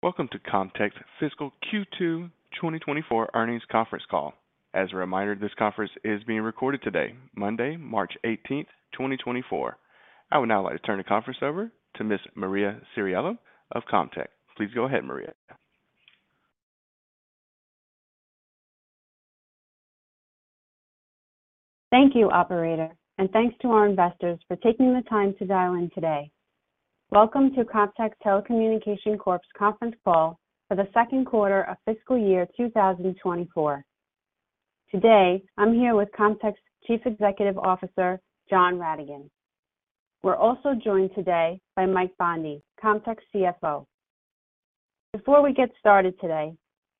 Welcome to Comtech's fiscal Q2 2024 earnings conference call. As a reminder, this conference is being recorded today, Monday, March 18th, 2024. I would now like to turn the conference over to Ms. Maria Ceriello of Comtech. Please go ahead, Maria. Thank you, operator, and thanks to our investors for taking the time to dial in today. Welcome to Comtech Telecommunications Corp's conference call for the second quarter of fiscal year 2024. Today I'm here with Comtech's Chief Executive Officer, John Ratigan. We're also joined today by Mike Bondi, Comtech's CFO. Before we get started today,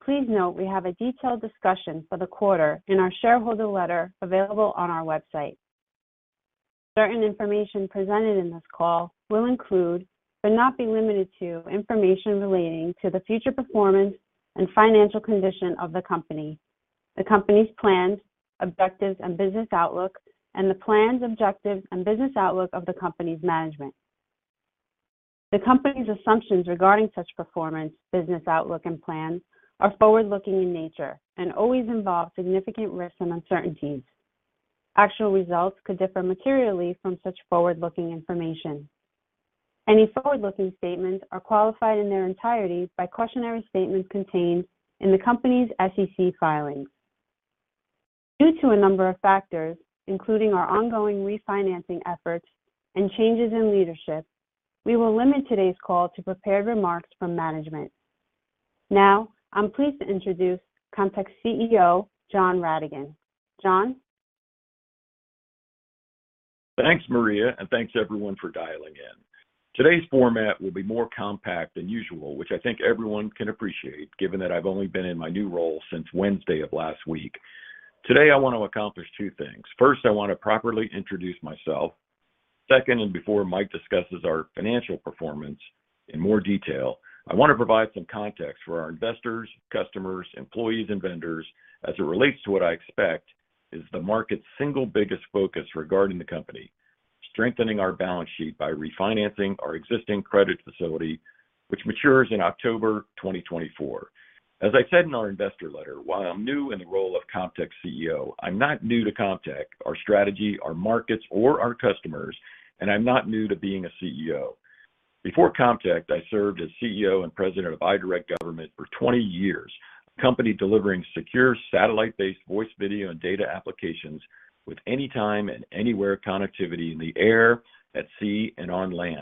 please note we have a detailed discussion for the quarter in our shareholder letter available on our website. Certain information presented in this call will include, but not be limited to, information relating to the future performance and financial condition of the company, the company's plans, objectives, and business outlook, and the plans, objectives, and business outlook of the company's management. The company's assumptions regarding such performance, business outlook, and plans are forward-looking in nature and always involve significant risks and uncertainties. Actual results could differ materially from such forward-looking information. Any forward-looking statements are qualified in their entirety by cautionary statements contained in the company's SEC filings. Due to a number of factors, including our ongoing refinancing efforts and changes in leadership, we will limit today's call to prepared remarks from management. Now I'm pleased to introduce Comtech's CEO, John Ratigan. John? Thanks, Maria, and thanks everyone for dialing in. Today's format will be more compact than usual, which I think everyone can appreciate given that I've only been in my new role since Wednesday of last week. Today I want to accomplish two things. First, I want to properly introduce myself. Second, and before Mike discusses our financial performance in more detail, I want to provide some context for our investors, customers, employees, and vendors as it relates to what I expect is the market's single biggest focus regarding the company, strengthening our balance sheet by refinancing our existing credit facility, which matures in October 2024. As I said in our investor letter, while I'm new in the role of Comtech's CEO, I'm not new to Comtech, our strategy, our markets, or our customers, and I'm not new to being a CEO. Before Comtech, I served as CEO and President of iDirect Government for 20 years, a company delivering secure satellite-based voice, video, and data applications with anytime and anywhere connectivity in the air, at sea, and on land.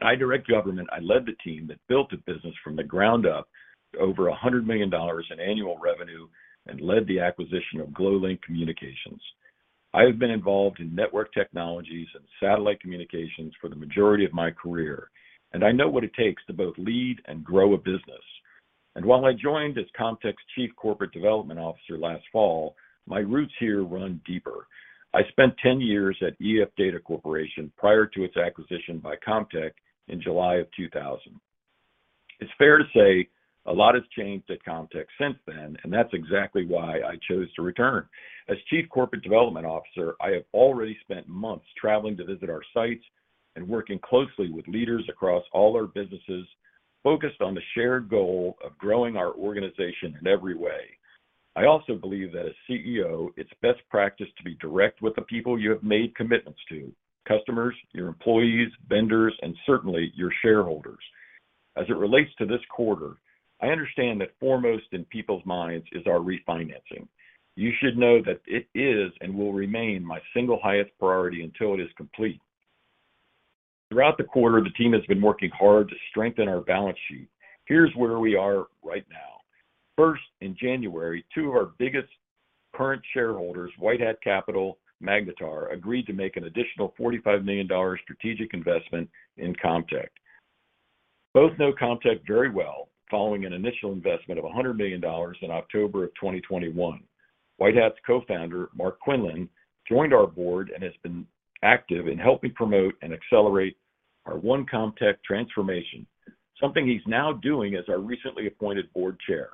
At iDirect Government, I led the team that built the business from the ground up to over $100 million in annual revenue and led the acquisition of Glowlink Communications. I have been involved in network technologies and satellite communications for the majority of my career, and I know what it takes to both lead and grow a business. And while I joined as Comtech's Chief Corporate Development Officer last fall, my roots here run deeper. I spent 10 years at EF Data Corp. prior to its acquisition by Comtech in July of 2000. It's fair to say a lot has changed at Comtech since then, and that's exactly why I chose to return. As Chief Corporate Development Officer, I have already spent months traveling to visit our sites and working closely with leaders across all our businesses, focused on the shared goal of growing our organization in every way. I also believe that as CEO, it's best practice to be direct with the people you have made commitments to: customers, your employees, vendors, and certainly your shareholders. As it relates to this quarter, I understand that foremost in people's minds is our refinancing. You should know that it is and will remain my single highest priority until it is complete. Throughout the quarter, the team has been working hard to strengthen our balance sheet. Here's where we are right now. First, in January, two of our biggest current shareholders, White Hat Capital and Magnetar, agreed to make an additional $45 million strategic investment in Comtech. Both know Comtech very well following an initial investment of $100 million in October of 2021. White Hat's co-founder, Mark Quinlan, joined our board and has been active in helping promote and accelerate our One Comtech transformation, something he's now doing as our recently appointed board chair.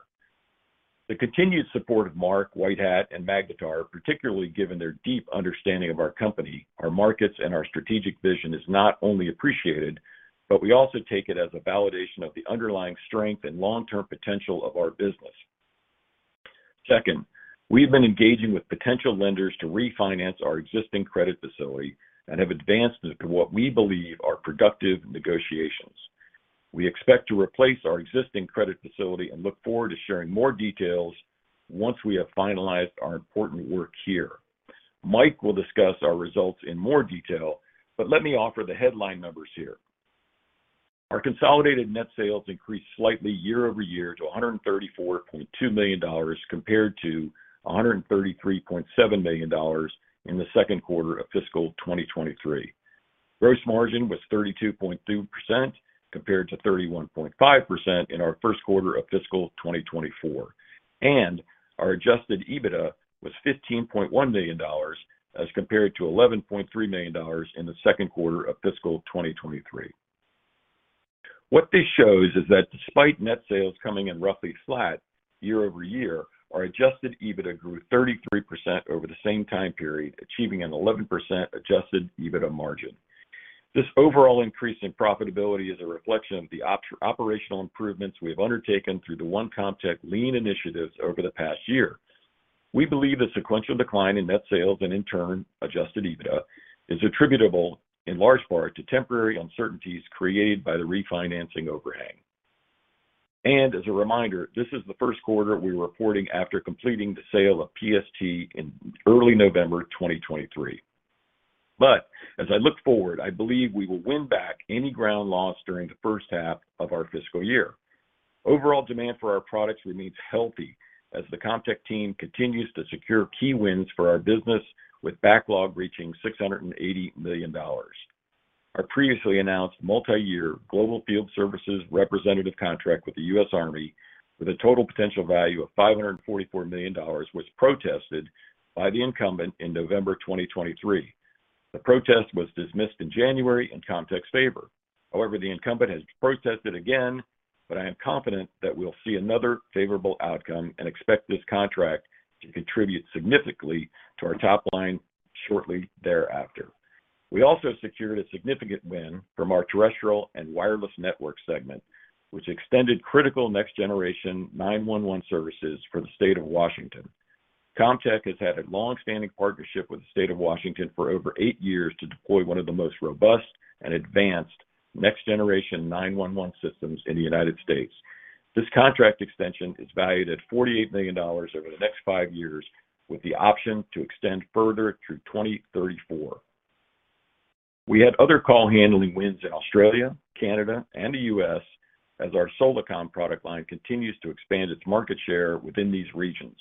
The continued support of Mark, White Hat, and Magnetar, particularly given their deep understanding of our company, our markets, and our strategic vision, is not only appreciated, but we also take it as a validation of the underlying strength and long-term potential of our business. Second, we've been engaging with potential lenders to refinance our existing credit facility and have advanced it to what we believe are productive negotiations. We expect to replace our existing credit facility and look forward to sharing more details once we have finalized our important work here. Mike will discuss our results in more detail, but let me offer the headline numbers here. Our consolidated net sales increased slightly year-over-year to $134.2 million compared to $133.7 million in the second quarter of fiscal 2023. Gross margin was 32.2% compared to 31.5% in our first quarter of fiscal 2024, and our adjusted EBITDA was $15.1 million as compared to $11.3 million in the second quarter of fiscal 2023. What this shows is that despite net sales coming in roughly flat year-over-year, our adjusted EBITDA grew 33% over the same time period, achieving an 11% adjusted EBITDA margin. This overall increase in profitability is a reflection of the operational improvements we have undertaken through the One Comtech Lean initiatives over the past year. We believe the sequential decline in net sales and, in turn, adjusted EBITDA is attributable in large part to temporary uncertainties created by the refinancing overhang. As a reminder, this is the first quarter we're reporting after completing the sale of PST in early November 2023. As I look forward, I believe we will win back any ground loss during the first half of our fiscal year. Overall demand for our products remains healthy as the Comtech team continues to secure key wins for our business, with backlog reaching $680 million. Our previously announced multi-year Global Field Service Representative contract with the U.S. Army, with a total potential value of $544 million, was protested by the incumbent in November 2023. The protest was dismissed in January in Comtech's favor. However, the incumbent has protested again, but I am confident that we'll see another favorable outcome and expect this contract to contribute significantly to our top line shortly thereafter. We also secured a significant win from our terrestrial and wireless network segment, which extended critical next-generation 911 services for the state of Washington. Comtech has had a longstanding partnership with the state of Washington for over eight years to deploy one of the most robust and advanced next-generation 911 systems in the United States. This contract extension is valued at $48 million over the next five years, with the option to extend further through 2034. We had other call-handling wins in Australia, Canada, and the US as our Solacom product line continues to expand its market share within these regions.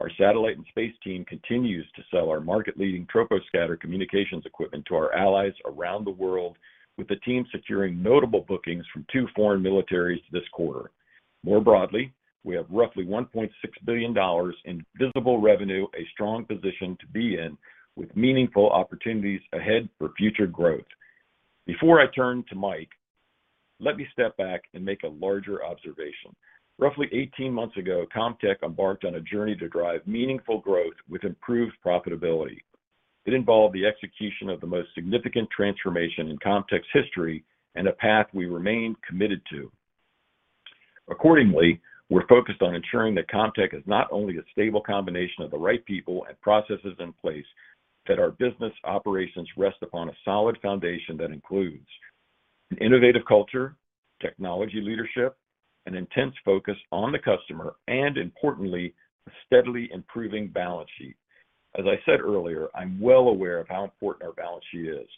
Our satellite and space team continues to sell our market-leading Troposcatter communications equipment to our allies around the world, with the team securing notable bookings from two foreign militaries this quarter. More broadly, we have roughly $1.6 billion in visible revenue, a strong position to be in with meaningful opportunities ahead for future growth. Before I turn to Mike, let me step back and make a larger observation. Roughly 18 months ago, Comtech embarked on a journey to drive meaningful growth with improved profitability. It involved the execution of the most significant transformation in Comtech's history and a path we remained committed to. Accordingly, we're focused on ensuring that Comtech is not only a stable combination of the right people and processes in place, but that our business operations rest upon a solid foundation that includes an innovative culture, technology leadership, an intense focus on the customer, and importantly, a steadily improving balance sheet. As I said earlier, I'm well aware of how important our balance sheet is.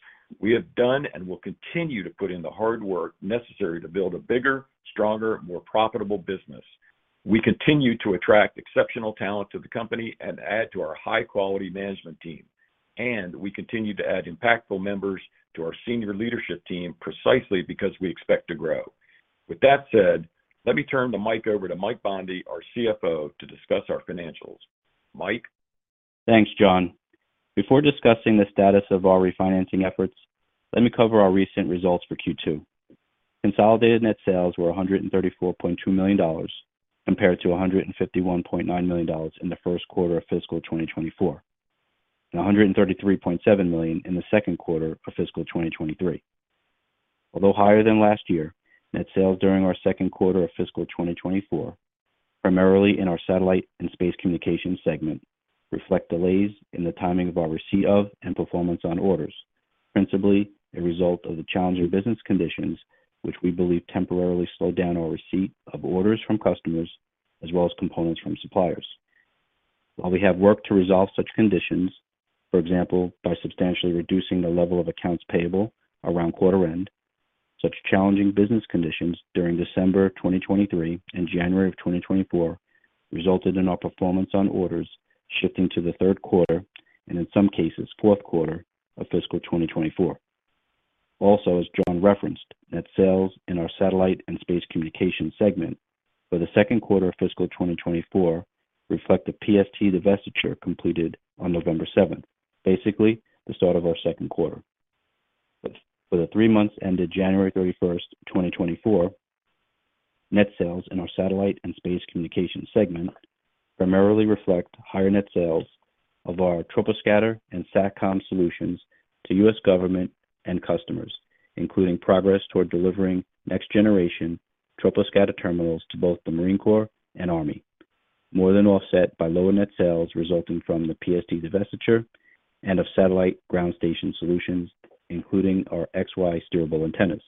We have done and will continue to put in the hard work necessary to build a bigger, stronger, more profitable business. We continue to attract exceptional talent to the company and add to our high-quality management team, and we continue to add impactful members to our senior leadership team precisely because we expect to grow. With that said, let me turn the mic over to Mike Bondi, our CFO, to discuss our financials. Mike? Thanks, John. Before discussing the status of our refinancing efforts, let me cover our recent results for Q2. Consolidated net sales were $134.2 million compared to $151.9 million in the first quarter of fiscal 2024 and $133.7 million in the second quarter of fiscal 2023. Although higher than last year, net sales during our second quarter of fiscal 2024, primarily in our satellite and space communications segment, reflect delays in the timing of our receipt of and performance on orders, principally a result of the challenging business conditions, which we believe temporarily slowed down our receipt of orders from customers as well as components from suppliers. While we have worked to resolve such conditions, for example, by substantially reducing the level of accounts payable around quarter-end, such challenging business conditions during December 2023 and January of 2024 resulted in our performance on orders shifting to the third quarter and, in some cases, fourth quarter of fiscal 2024. Also, as John referenced, net sales in our satellite and space communications segment for the second quarter of fiscal 2024 reflect the PST divestiture completed on November 7th, basically the start of our second quarter. For the three months ended January 31st, 2024, net sales in our satellite and space communications segment primarily reflect higher net sales of our TropoScatter and SATCOM solutions to U.S. government and customers, including progress toward delivering next-generation TropoScatter terminals to both the Marine Corps and Army, more than offset by lower net sales resulting from the PST divestiture and of satellite ground station solutions, including our X/Y tracking antennas.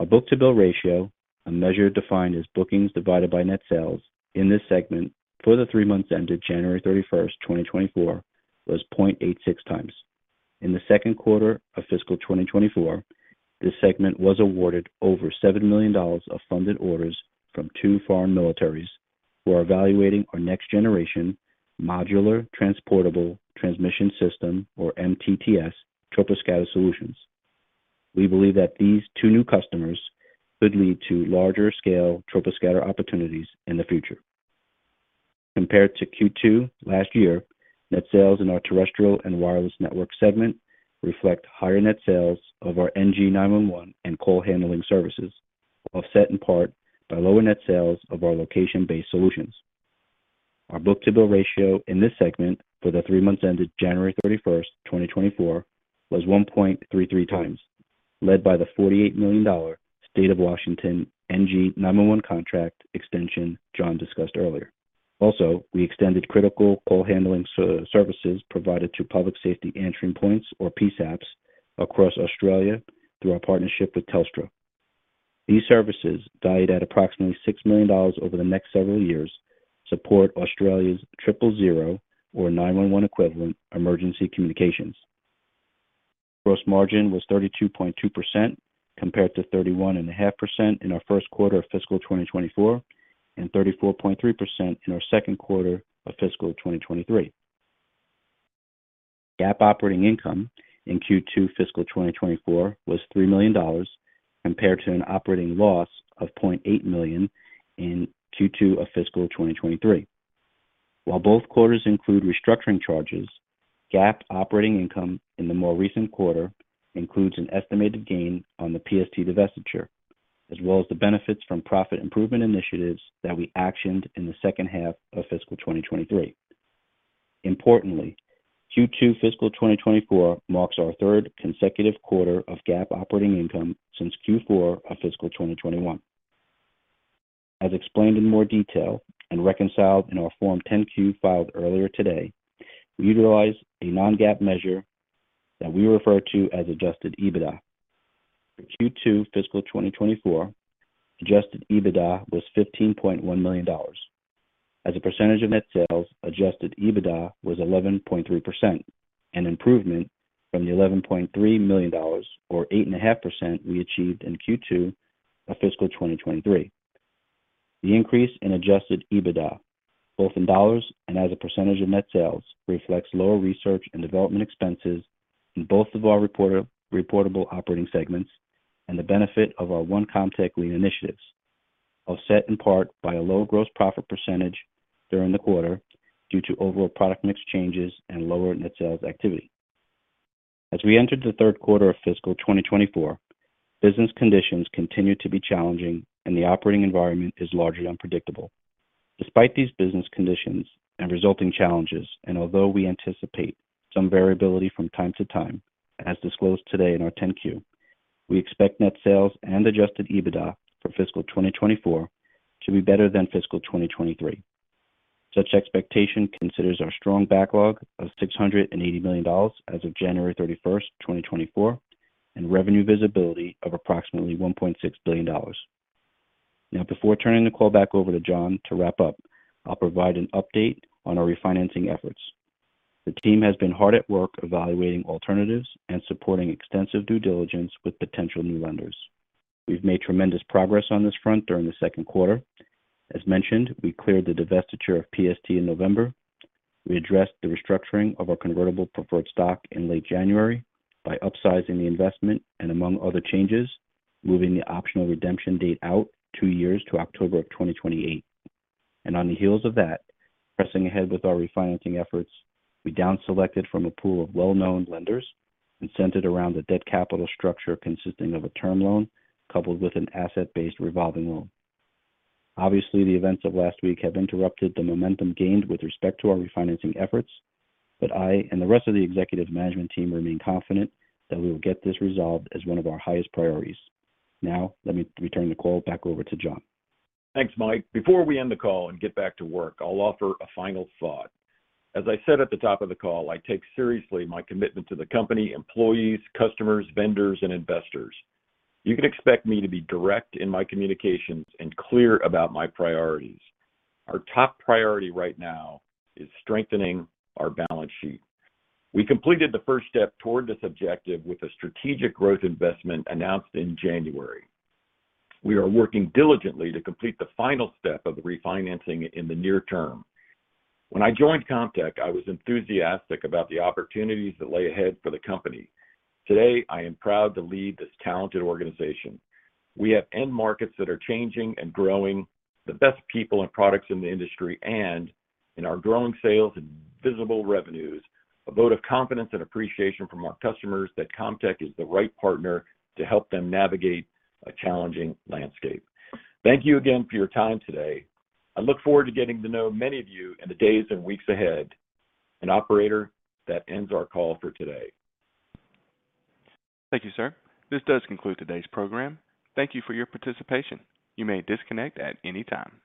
Our book-to-bill ratio, a measure defined as bookings divided by net sales in this segment for the three months ended January 31st, 2024, was 0.86 times. In the second quarter of fiscal 2024, this segment was awarded over $7 million of funded orders from two foreign militaries who are evaluating our next-generation modular transportable transmission system, or MTTS, TropoScatter solutions. We believe that these two new customers could lead to larger-scale TropoScatter opportunities in the future. Compared to Q2 last year, net sales in our terrestrial and wireless network segment reflect higher net sales of our NG 911 and call-handling services, offset in part by lower net sales of our location-based solutions. Our book-to-bill ratio in this segment for the three months ended January 31st, 2024, was 1.33 times, led by the $48 million State of Washington NG 911 contract extension John discussed earlier. Also, we extended critical call-handling services provided to public safety answering points, or PSAPs, across Australia through our partnership with Telstra. These services, valued at approximately $6 million over the next several years, support Australia's 000, or 911 equivalent, emergency communications. Gross margin was 32.2% compared to 31.5% in our first quarter of fiscal 2024 and 34.3% in our second quarter of fiscal 2023. GAAP operating income in Q2 fiscal 2024 was $3 million compared to an operating loss of $0.8 million in Q2 of fiscal 2023. While both quarters include restructuring charges, GAAP operating income in the more recent quarter includes an estimated gain on the PST divestiture as well as the benefits from profit improvement initiatives that we actioned in the second half of fiscal 2023. Importantly, Q2 fiscal 2024 marks our third consecutive quarter of GAAP operating income since Q4 of fiscal 2021. As explained in more detail and reconciled in our Form 10-Q filed earlier today, we utilize a non-GAAP measure that we refer to as adjusted EBITDA. For Q2 fiscal 2024, adjusted EBITDA was $15.1 million. As a percentage of net sales, adjusted EBITDA was 11.3%, an improvement from the $11.3 million, or 8.5%, we achieved in Q2 of fiscal 2023. The increase in Adjusted EBITDA, both in dollars and as a percentage of net sales, reflects lower research and development expenses in both of our reportable operating segments and the benefit of our One Comtech Lean initiatives, offset in part by a low gross profit percentage during the quarter due to overall product mix changes and lower net sales activity. As we entered the third quarter of fiscal 2024, business conditions continue to be challenging, and the operating environment is largely unpredictable. Despite these business conditions and resulting challenges, and although we anticipate some variability from time to time, as disclosed today in our 10-Q, we expect net sales and Adjusted EBITDA for fiscal 2024 to be better than fiscal 2023. Such expectation considers our strong backlog of $680 million as of January 31st, 2024, and revenue visibility of approximately $1.6 billion. Now, before turning the call back over to John to wrap up, I'll provide an update on our refinancing efforts. The team has been hard at work evaluating alternatives and supporting extensive due diligence with potential new lenders. We've made tremendous progress on this front during the second quarter. As mentioned, we cleared the divestiture of PST in November. We addressed the restructuring of our convertible preferred stock in late January by upsizing the investment and, among other changes, moving the optional redemption date out 2 years to October of 2028. On the heels of that, pressing ahead with our refinancing efforts, we downselected from a pool of well-known lenders and centered around a debt capital structure consisting of a term loan coupled with an asset-based revolving loan. Obviously, the events of last week have interrupted the momentum gained with respect to our refinancing efforts, but I and the rest of the executive management team remain confident that we will get this resolved as one of our highest priorities. Now, let me return the call back over to John. Thanks, Mike. Before we end the call and get back to work, I'll offer a final thought. As I said at the top of the call, I take seriously my commitment to the company, employees, customers, vendors, and investors. You can expect me to be direct in my communications and clear about my priorities. Our top priority right now is strengthening our balance sheet. We completed the first step toward this objective with a strategic growth investment announced in January. We are working diligently to complete the final step of the refinancing in the near term. When I joined Comtech, I was enthusiastic about the opportunities that lay ahead for the company. Today, I am proud to lead this talented organization. We have end markets that are changing and growing, the best people and products in the industry, and, in our growing sales and visible revenues, a vote of confidence and appreciation from our customers that Comtech is the right partner to help them navigate a challenging landscape. Thank you again for your time today. I look forward to getting to know many of you in the days and weeks ahead. An operator that ends our call for today. Thank you, sir. This does conclude today's program. Thank you for your participation. You may disconnect at any time.